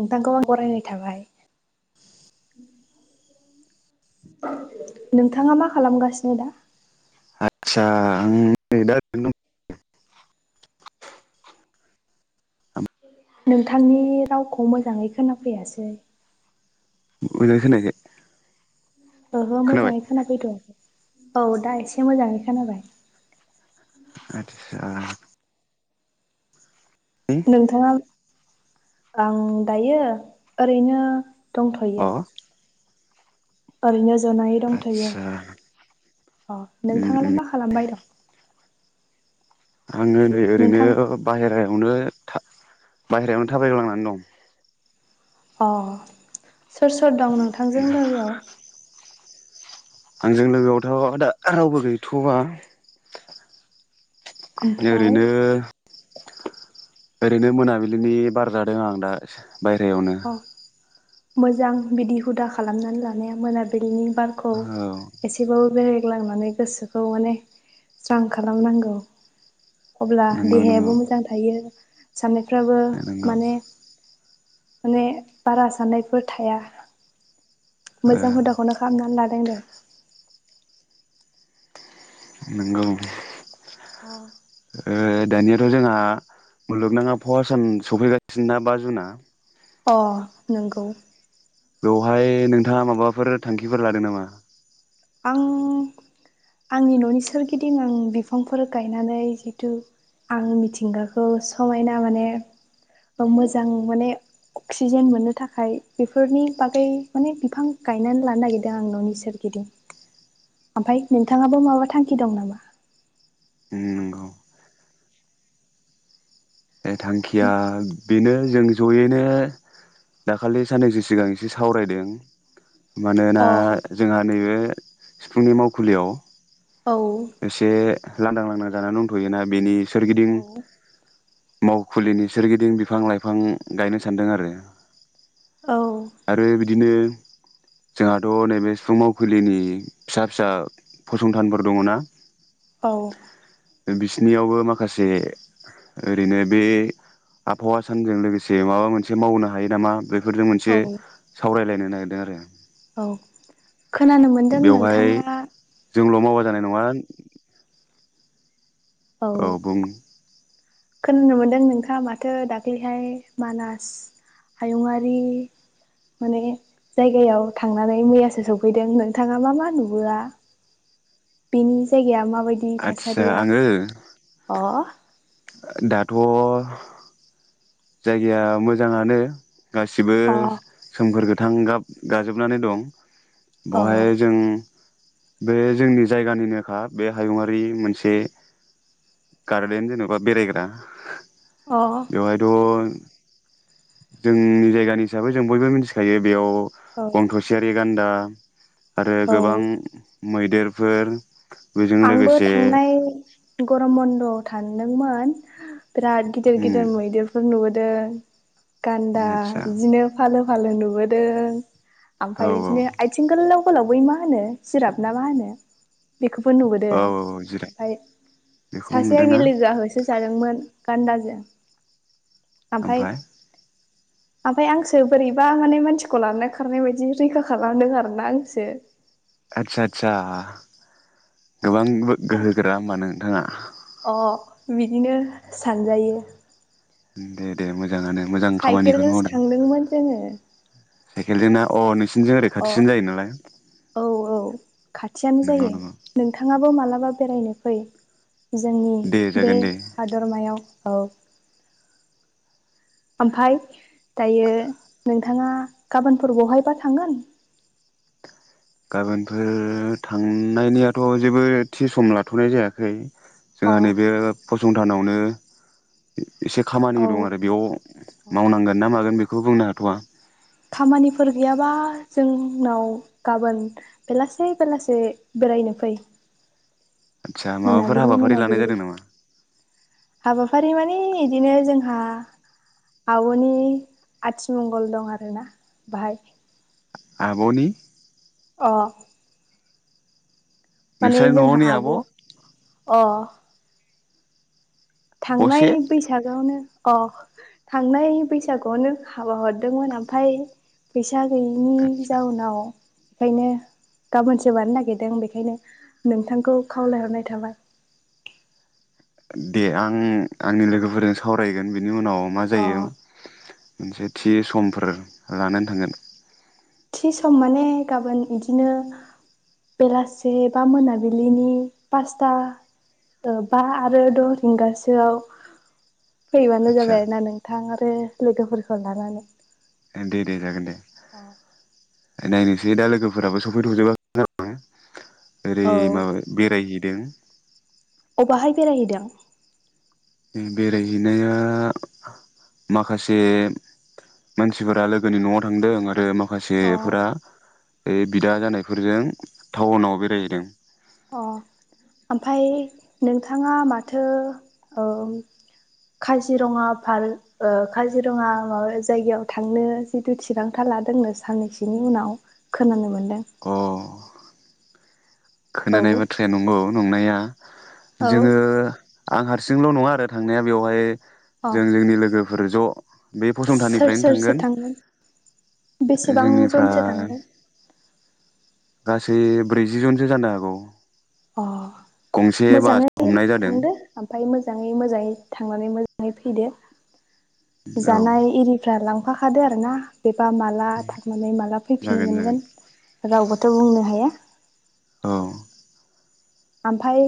नोंथां खौ आं बरायनाय थाबाय नोंथाङा मा खालामगासिनो दा? आतसा आं नै दा [unintelligible] दं नोंथांनि रावखौ मोजांङै खोनाफैयासै मोजांङै खोनायाखै? ओहो खोनाबाय मोजांङै खानाफैथ आ खै औ दा एसे मोजांङै खोनाबाय। आतसा नोंथाङा आं दायो ओरैनो दंथयो। अ ओरैनो जनायै दंथयो आदसा अ उम नोंथाङालाय उम मा खालामबाय दं? आंङो नै ओरैनो नोंथां बाहेरायाव यावनो था बायरायावनो थाबायग्लांनानै दं। अ सोर सोर दं नोंथांजों लोगोआव आंजों लोगोआवथ दा रावबो गैथ'वा ओमफ्राय ओरैनो ओरैनो मोनाबिलिनि बार जादों आं दा बायरायावनो। अ मोजां बिदि हुदा खालामनानै लानाया मोनाबिलिनि बारखौ औ एसेबाबो बेराय रायग्लांनानै गोसोखौ माने स्रां खालामनांगौ। अब्ला नंगौ नंगौ देहायाबो मोजां थायो [unintelligible] साननायफ्राबो नंगौ माने माने बारा साननायफोर थाया। ओ मोजां हुदाखौनो खामनानै लादों दे। [inaudible] नंगौ अ ओ दानियाथ' जोंहा मुलुगनां आबहावा सान सफैगासिनोना बा जुनआ अ नंगौ बेवहाय नोंथाङा माबाफोर थांखिफोर लादों नामा? आं आंनि न'नि सोरगिदिं आं बिफांफोर गायनानै जितु आं मिथिंगाखौ समायना माने मोजां माने अक्सिजेन मोननो थाखाय बेफोरनि बागै माने बिफां गायनानै लानो नागिरदों आं न'नि सोरगिदिं। ओमफाय नोंथाङाबो माबा थांखि दं नामा? उम नंगौ बए थांखिया बेनो जों जयैनो दाखालि साननैसो सिगां एसे सावरायदों मानोना अ जोंहा नैबे सिफुंनि मावखुलियाव औ एसे लांदां लांदां जानानै दंथ'योना बेनि सोरगिदिं औ मावखुलिनि सोरगिदिं बिफां लाइफां गायनो सानदों आरो आरो बिदि नो जोंहाथ' नैबे सिफुं मावखुलिनि फिसा फिसा फसंथानफोर दङ ना औ बिसिनियावबो माखासे ओरैनो बे आबहावा सानजों लोगोसे माबा मोनसे मावनो हायो नामा बे बफोरजों मोनसे औ सावरायलायनो नागिरदों आरो। औ खोनानो मोनदों बेवहाय नोंथाङा जोंल' मावा जानाय नङा औ बुंं खोनानो मोनदों नोंथाङा माथो दाख्लैहाय मानास हायुआरि माने जायगायाव थांनानै मैयासो सफैदों नोंथाङा मा मा नुबोआ बेनि जायगाया मा माबायदि आदसा थासारिया आङो अह दाथ जायगाया मोजांआनो गासिबो अ सोमखोर गोथ थां गाब गाजोबनानै दं अ बहाय जों बे जोंनि जायगानिनोखा बे हायुङरारि मोनसे गार्देन जेनबा बेरायग्रा अ अन जोंनि जायगानि हिसाबै जों बयबो मिथिखायो बेयाव औ गंथसेयारि गान्दा आरो गोबां औ मैदेरफोर बेजों आंबो लोगोसे थांनाय गरम बन्द थान्दोंमोन बिराद गिदिर उम गिदिर मैदेरफोर नुबो दों गान्दा आदसा बिदिनो फालो फालो नुबोदों औ ओमफ्राय औ बिदिनो आथिंगोल्लाव गोलाव बै मा होनो सिराप ना मा होनो बेख बो नुबोदों औ औ जिराय ओमफफ्राय बेखौ सासे नुदोंना आंनि लोगोआ होसो जादोंमोन गान्दाजो ओमफ्राय ओमफाय आंसो बोरैबा माने मानसिखौ लानानै खारनाय बायदि रैखा खालामदों आरोना आंसो आतसा आतसा गोबां गोहोगोरा होमबा नोंथाङा अ बिदिनो सानजायो दे दे मोज साइकेलजोंसो थांदोंमोन जोङो साइकेलजोंना अह नोस अ औ औ खाथियानो नंगौ जायो नंगौ नोंथाङाबो मालाबा बेरायनो फै जोंनि दे बे जागोन दे हादरमायाव औ ओमफाय दायो नोंथाङा गाबोनफोर बहायबा थांगोन? गाबोनफोर थांनायनिआथ' जेबो थि सम लाथ'नाय जायाखै। अ जोंहा नैबे फसन थानावनो एसे खामानि औ दं आरो बेयाव अ मावनांगोन ना मागोन बेखौ खौ बुंनो हाथ'आ। खामानिफोर गैयाबा जोंनाव गाबोन बेलासे बेलासे बेरायनो फै। आदसा माबाफोर मोनाबिलि हाबाफारि लानाय मोनाबिलि जादों नामा? फारि माने इदिनो जोंहा आब'नि आथिमंगल दं आरोना बाहाय। आब'नि? अ माने नोंस्रा जोंहा न'नि आब' अ। असे थांनाय बैसाग आवनो। अ थांनाय बैसागुआवनो हाबा हरदोंमोन ओमफाय बैस जा गैयिनि आदसा जाउनाव खायनो गाबोनसो बानो नागिरदों बेखायनो नोंथांखौ खावलायहरनाय थाबाय। दे आङ आंनि लोगोफोरजों सावरायगोन बिनि उनाव मा अ जायो मोनसे। थि समफोर लानानै थांगोन। थि सम माने गाबोन इदिनो बेलासे बा मोनाबिलिनि पासता ओ बा आरो द' रिंगासोआव फैबानो आदसा जाबाय आरोना नोंथां आरो लोगोफोरखौ लानानै। ओ दे दे जागोन दे। अ नायनोसै दा लोगोफोराबो सफैथजोबा [unintelligible] ओरै औ माबा बेरायहै [unintelligible] अबहाय बेरायहैदों? उम बेरायहैनाया माखासे मानसिफोरा लोगोनि न'आव थांदों आरो माखा अ मासेफोरा ए बिदा जानायफोरजों थाउनाव बेरायहैदों। अ ओमफाय नोंथाङा माथो ओ खाजिरङा फार्क ओ खाजिरङा माबा जायगायाव थांनो जिथु थिरांथा लादोंनो साननैसोनि उनाव खोनानो मोन अ [unintelligible] औ खोनानाय बाथ्राया नंगौ नंनाया औ जोङो आं हारसिंल' नङा आरो थांनाया बेवहाय। अ जों जोंनि लोगो ओरो ज। बे सोर फसंथाननिफ्रायनो सोरसो थांगोन बेसेबां जनसो जोंनिफ्राय थांगोन? गासै ब्रैजि जनजो जानो हागौ। अ गंसे बास मोजाङै हमनाय जादों थांदो ओमफाय मोजाङै मोजाङै थांनानै [unintelligible] फैदो। औ जानाय इरिफ्रा लां [unintelligible] खादो आरो ना। बेबा माला थांनानै माला फैफिननो जागोन मोनगोन। जागोन रावबोथ बुंनो हाया। औ ओमफाय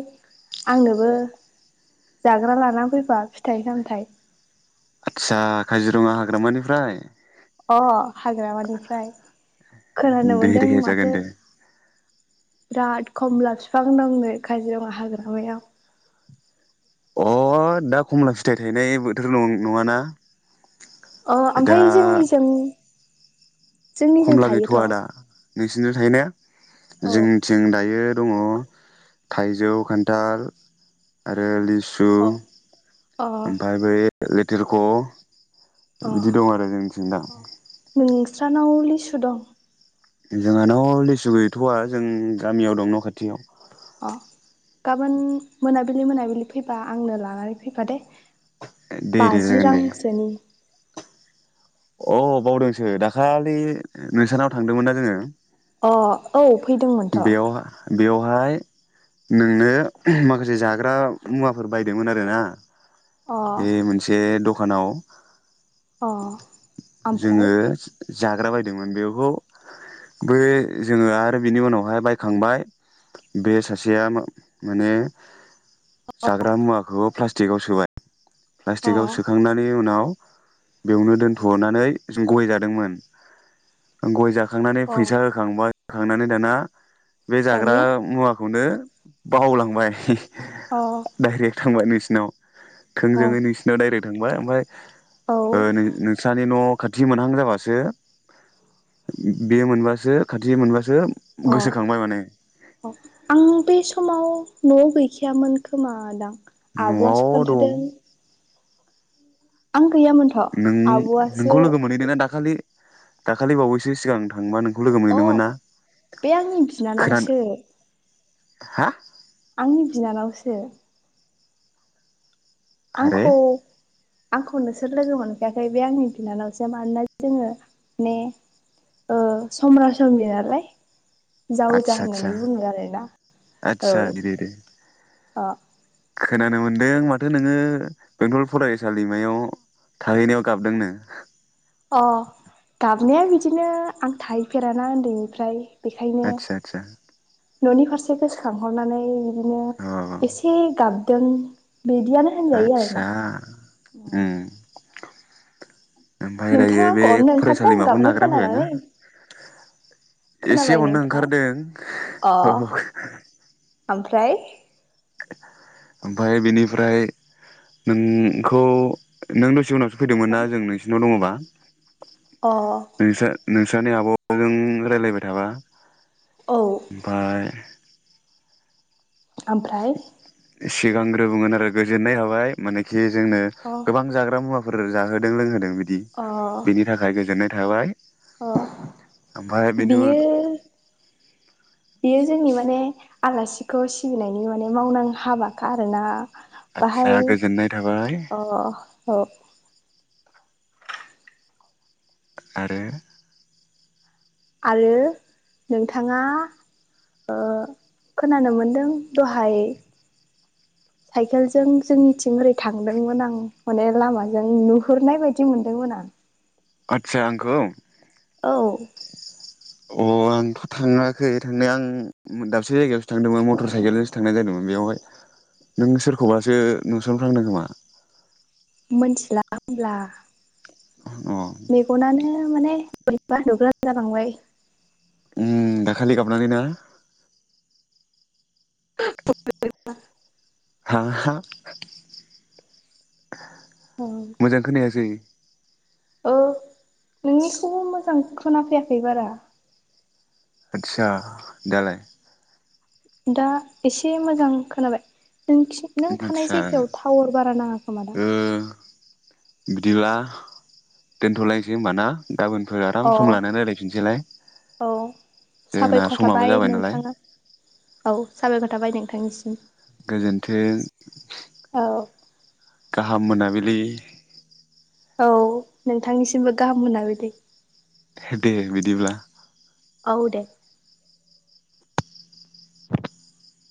आंनोबो जाग्रा लानानै फैफा फिथाइ सामथाइ। आदसा काजिरङा हाग्रामानिफ्राय? अ हाग्रामानिफ्राय खोनानो दे मोनदों दे जागोन माथो दे बिराद खमला बिफां दंनो काजिरङा हाग्रामायाव। अ दा खमला फिथायाइ थायनाय बोथोर नङाना अ दा ओमफ्राय जोंनि जों जोंनिजों थायोथ नोंसोरनियाव थायोना औ जोंनिथिं दायो दङ थाइजौ खान्थाल आरो लेसु सु अ अ ओमफ्राय बेै [unintelligible] दा अ बिदि दं आरो जोंनिथिं दा। [unintelligible] लिसु दं जोंहा नआव लिसु गैथआ जों गामियाव दं न खाथियाव। अ गाबोन मोनाबिलि मोनाबिलि फैबा आंनो लानानै फैबा दे। दे दे बाजि जागोन रां दे सोनि अ बावदोंसो दाखालि नोंसारनाव थांदोंमोन ना जोङो। अ औ फैदोंमोनथ बेवहाय नोंनो माखासे जाग्रा मुवाफोर बायदोंमोन आरो ना अ ए मोनसे दखानाव अ ओमफ्राय जोङो जाग्रा बायदोंमोन बेखौ बो जोङो आरो बिनि उनावहाय बायखांबाय बे सासेया मा माने जाग्रा मुवाखौ [unintelligible] टिकआव सोबाय। अ प्लास्टिकाव सोखांनानै उनाव बेयावनो दोनथनानै गय जादोंमोन गय जाख खांनानै अ फैसा होखांबा थांनानै दाना बे जाग्रा दानिया मुवाखौनो बावलांबाय। अ डाइरेक थांबाय नोंस न। अ थोंजोङै नोंसिनाव डाइरेक्ट थांबाय ओमफ्राय। औ ओ नो-नोंस्रानि न खाथि मोनहां जाबासो बे मोनबासो खाथि मोनबासो जो अ अ आं बे समाव नआव गैखायामोन खोमा दां। नआव दं। आं गैयामोनथ नों आबआसो। नोंखौ लोगो मोनहैदोंना दाखालि दाखालि बावैसो सिगां थांबा नों अ बे आंनि खोनादों बिनानावसो हा आंनि बिनानावसो। आरे आंखौ आंखौ नोंसोर लोगो मोनफायाखै बे आंनि बिनानावसो मानोना जोङो ने ओ समरासमनि नालाय। जावजा आदसा आदसा होननानै बुङो आरोना औ। आदसा बिदि दे दे आ खोनानो मोन्दों माथो नोङो बेंटल फरायसालिमायाव थाहैनायाव गाबदोंनो? अ गाबनाया बिदिनो आं थाहैफेराना उन्दैनिफ्राय। बेखायनो आदसा आदसा। ननि फारसे गोसोखांहरनानै बिदिनो एसे गाब दों। आच्छा ओमफ्राय दायो नोंथाङा बे आंखौ अननो ओंखारदों फरायसालिमाखौनो गाबनाय नागारना फैबाय ना खोनानानै एसे खोनाबाय अननो नोंथां ओंखारदों अ ओमफ्राय ओमफ्राय बेनिफ्राय नोंखौ नों दसे उनाव फैदोंमोन ना जों नोंसिनाव दङबा [unintelligible] अ नोंसानि आबजों रायज्लायबाय थाबा ओमफ्राय ओमफ्राय सिगांग्रोगोन आरो गोजोननाय हाबाय माने जे जोंनो अ गोबां जाग्रा मुवा फोरो जाहोदों लोंहोदों बिदि अ बिनि थाखाय गोजोननाय थाबाय अ ओमफ्राय बेनि बियो उन बियो जोंनि माने आलासिखौ सिबिनायनि माने मावनां हाबाखा आरोना आच्छा बाहाय गोजोननाय थाबाय अ आरो आरो नोंथाङा ओ खोनानो मोनदों दहाय साइकेलजों जोंनिथिं ओरै थांदोंमोन आं माने लामाजों नुहुरनाय बायदि मोनदोंमोन आं आच्छा आंखौ औ अ आंथ थाङाखै थांनाया आं दाबसे जायगायावसो थांदोंमोन मटर साइकेलजोंसो थांनाय जादोंमोन बेयावहाय नों सोरखौबासो नुसनफ्लांदों खोमा मोनथिला होमब्ला अ मेगनानो माने बोरैबा नुग्रा जालांबाय ओम दाखालि गाबनानै ना [unintelligible] हा हा मोजां खोनायासै ओ नोंनिखौबो मोजां खोनाफैयाखै बारा आच्छा दालाय दा एसे मोजां खोनाबाय नों खि नों थानाय आदसा जायगायाव टावार बारा नाङा खोमा दां ओ बिदिब्ला दोनथलायसै होमबा ना गाबोनफोर आराम अ सम लाना रायलाय फिनसैलाय औ जोंना साबायखर समाबो थाबाय जाबाय नालाय नोंथाङा औ साबायखर थाबाय नोंथांनिसिम। गोजोन्थों औ गाहाम मोना बिलि। औ नोंथां निसिमबो गाहाम मोना बिलि हे दे बिदिब्ला औ दे